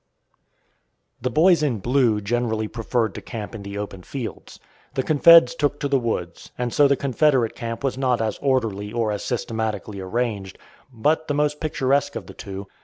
The "Boys in Blue" generally preferred to camp in the open fields. The Confeds took to the woods, and so the Confederate camp was not as orderly or as systematically arranged, but the most picturesque of the two.